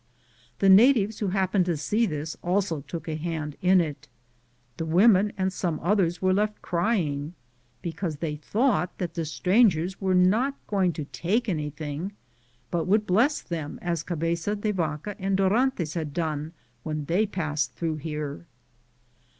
The natives who happened to see this also took a hand in it. The women and some others were left crying, because they thought that the strangers were not going to take anything, but would bless them as Ca beza de Yaca and Dorantes had done when they passed through here.